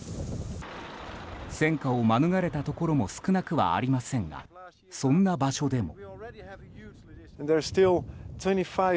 戦火を免れたところも少なくはありませんがそんな場所でも。